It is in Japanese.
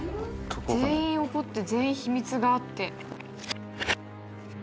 全員怒って全員秘密があって。